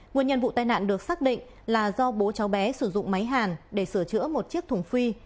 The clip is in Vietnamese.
nguyên nhân vụ tai nạn được xác định là do bố cháu bé sử dụng máy hàn để sửa chữa một chiếc thùng phi